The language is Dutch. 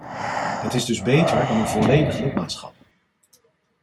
Het is dus beter dan een volledig lidmaatschap.